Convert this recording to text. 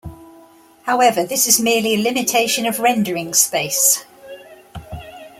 However, this is merely a limitation of rendering space.